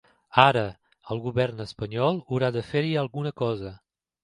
Ara, el govern espanyol haurà de fer-hi alguna cosa.